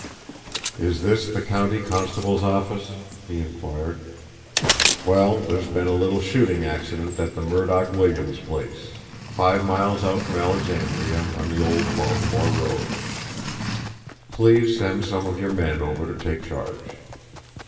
"Is this the county constable's office?" he inquired. "Well, there's been a little shooting accident at the Murdock Williams' place, five miles out from Alexandria on the old Baltimore Road. Please send some of your men over to take charge.